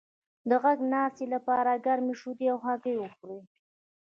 د غږ د ناستې لپاره ګرمې شیدې او هګۍ وخورئ